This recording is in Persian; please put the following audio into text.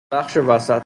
بخش وسط